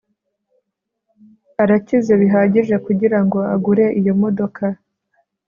Arakize bihagije kugirango agure iyo modoka